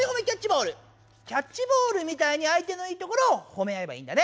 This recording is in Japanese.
キャッチボールみたいにあい手のいいところをほめあえばいいんだね！